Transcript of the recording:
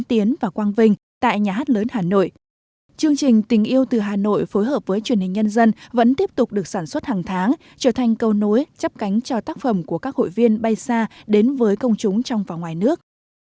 tại nhà hát lớn hà nội chương trình tình yêu từ hà nội phối hợp với truyền hình nhân dân vẫn tiếp tục được sản xuất hàng tháng trở thành câu nối chấp cánh cho tác phẩm của các hội viên bay xa đến với công chúng trong và ngoài nước